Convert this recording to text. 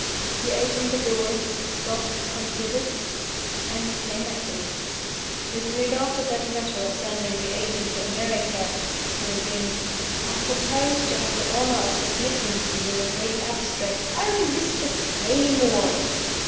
He opened the door stopped considered and come back to me. "With regard to that matter of sending the agent to America," he resumed "I propose to have the honor of submitting to you a brief abstract " "Oh, Mr. Playmore!"